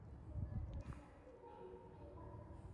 See geology of the Grand Canyon area for details.